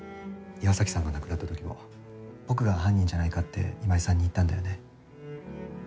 岩崎さんが亡くなった時も僕が犯人じゃないかって今井さんに言ったんだよね？